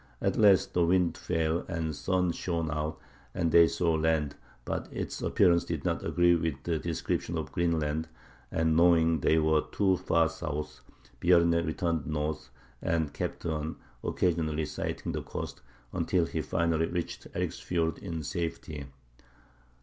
At last the wind fell, the sun shone out, and they saw land; but its appearance did not agree with the description of Greenland, and knowing they were too far south, Bjarne turned north, and kept on, occasionally sighting the coast, until finally he reached Eriksfiord in safety.